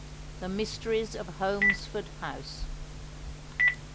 THE MYSTERIES OF HOLMESFORD HOUSE.